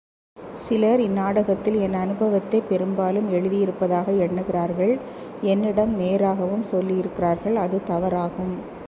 சிலர் இந்நாடகத்தில் என் அனுபவத்தைப் பெரும்பாலும் எழுதியிருப்பதாக எண்ணுகிறார்கள் என்னிடம் நேராகவும் சொல்லியிருக்கிறார்கள் அது தவறாகும்.